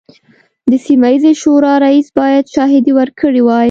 د سیمه ییزې شورا رییس باید شاهدې ورکړي وای.